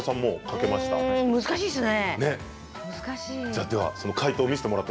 難しいですね。